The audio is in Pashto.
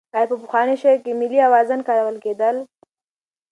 آیا په پخواني شعر کې ملي اوزان کارول کېدل؟